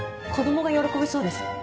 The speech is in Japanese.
子供が喜びそうです。